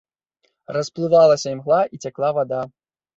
Расплывалася імгла, і цякла вада.